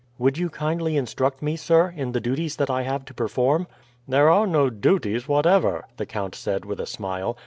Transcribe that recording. "Would you kindly instruct me, sir, in the duties that I have to perform." "There are no duties whatever," the count said with a smile.